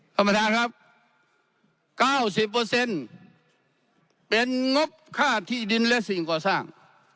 ธรรมดาครับ๙๐เป็นงบค่าที่ดินและสิ่งกว่าสร้าง